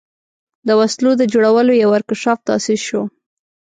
د وسلو د جوړولو یو ورکشاپ تأسیس شو.